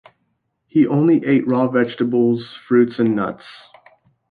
He only ate raw vegetables, fruits and nuts.